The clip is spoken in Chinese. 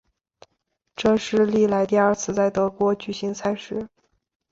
这是历来第二次在德国举行赛事。